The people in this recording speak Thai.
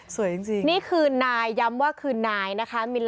สวยจริงนี่คือนายย้ำว่าคือนายนะคะ